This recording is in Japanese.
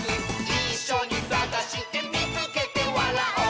「いっしょにさがしてみつけてわらおう！」